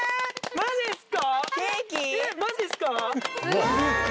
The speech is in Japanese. マジっすか？